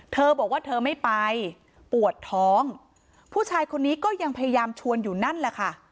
เธอบอกว่าเธอไม่ไปปวดท้องผู้ชายคนนี้ก็ยังพยายามชวนอยู่นั่นแหละค่ะ